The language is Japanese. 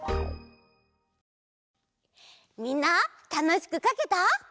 みんなたのしくかけた？